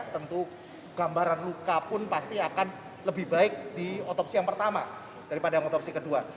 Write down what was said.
tentu gambaran luka pun pasti akan lebih baik di otopsi yang pertama daripada otopsi kedua